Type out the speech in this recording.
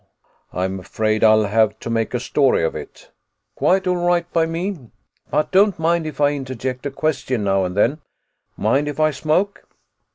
"I'm afraid I'll have to make a story of it." "Quite all right by me, but don't mind if I interject a question now and then. Mind if I smoke?"